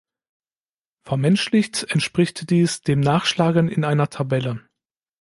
Vermenschlicht entspricht dies dem Nachschlagen in einer Tabelle.